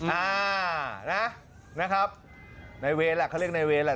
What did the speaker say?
อ่านะนะครับนายเวนแหละเขาเรียกนายเวนแหละ